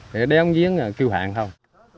để đếm diễn là kêu hạn thôi